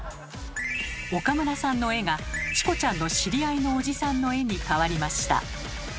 岡村さんの絵が「チコちゃんの知り合いのおじさん」の絵に変わりました。